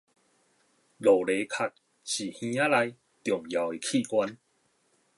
蝸牛殼是耳仔內重要的器官